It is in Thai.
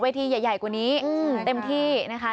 ทีใหญ่กว่านี้เต็มที่นะคะ